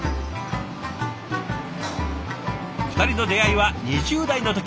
２人の出会いは２０代の時。